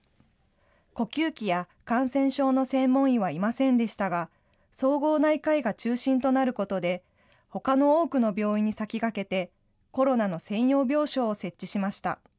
呼吸器や感染症の専門医はいませんでしたが、総合内科医が中心となることで、ほかの多くの病院に先駆けて、コロナの専用病床を設置しました。